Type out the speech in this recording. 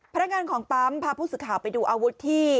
พนักงานของปั๊มพาผู้สื่อข่าวไปดูอาวุธที่